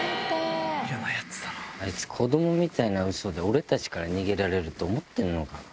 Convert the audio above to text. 子供みたいなウソで俺たちから逃げられると思ってんのか？